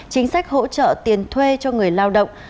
chính sách hỗ trợ tiền thuê cho người lao động